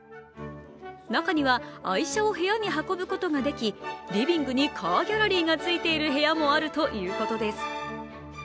中には愛車を部屋に運ぶことができリビングにカーギャラリーが付いている部屋もあるということです。